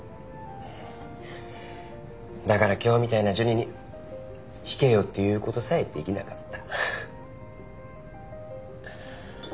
だから今日みたいなジュニに弾けよって言うことさえできなかった。